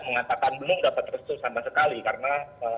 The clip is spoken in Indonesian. mengatakan belum dapat restu sama sekali karena